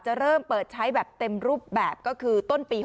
เริ่มเปิดใช้แบบเต็มรูปแบบก็คือต้นปี๖๐